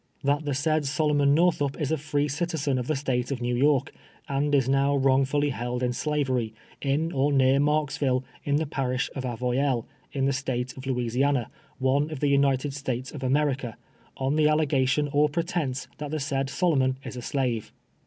That the sjiid Solomon Northup is a free citizen of the State of New York, and is now wi ongfuUy held in slavery, in or near !Marksville, in the parish of Avoyelles, in the State of Louisiana, one of the United States of America, on the allegar lion or jjrctence that the said Solomon is a slave.